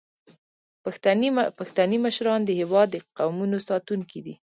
پښتني مشران د هیواد د قومونو ساتونکي دي.